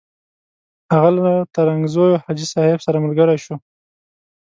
هغه له ترنګزیو حاجي صاحب سره ملګری شو.